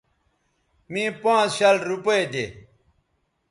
مے پانز شل روپے دے